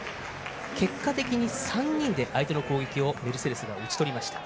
結果的に３人で相手の攻撃をメルセデスが打ち取りました。